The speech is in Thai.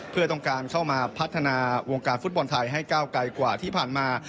เพื่อต้องการเข้ามาพัฒนาวงการฟุตบอลไทยให้ก้าวไกลกว่าที่ผ่านมา